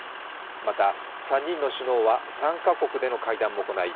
また、３人の首脳は３か国での会談も行い